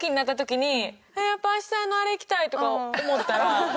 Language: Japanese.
やっぱ明日あのあれ行きたいとか思ったら嫌じゃない。